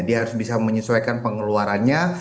dia harus bisa menyesuaikan pengeluarannya